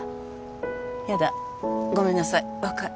やだごめんなさい若い